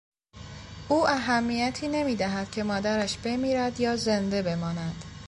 او اهمیتی نمیدهد که مادرش بمیرد یا زنده بماند.